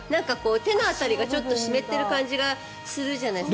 手の辺りがちょっと湿ってる感じがするじゃないですか。